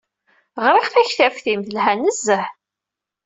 Ɣriɣ taktabt-im, teha nezzeh.